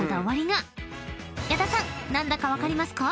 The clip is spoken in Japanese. ［矢田さん何だか分かりますか？］